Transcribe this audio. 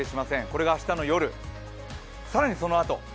これが明日の夜、更にそのあと。